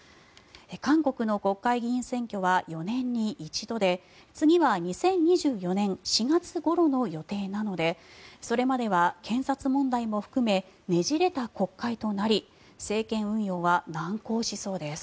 韓国の国会議員選挙は４年に一度で次は２０２４年４月ごろの予定なのでそれまでは検察問題も含めねじれた国会となり政権運営は難航しそうです。